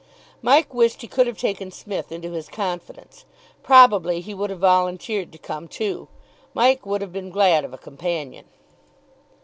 Mike wished he could have taken Psmith into his confidence. Probably he would have volunteered to come, too; Mike would have been glad of a companion.